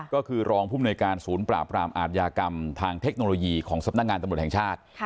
ก็คือรองภูมิหน่วยการศูนย์ปราบรามอาทยากรรมทางเทคโนโลยีของสำนักงานตำรวจแห่งชาติ